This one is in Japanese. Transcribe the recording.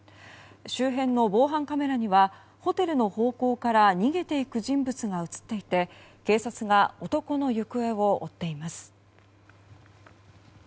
周辺の防犯カメラにはホテルの方向から逃げていく人物が映っていて警察が男の行方を追っています。